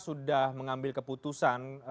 sudah mengambil keputusan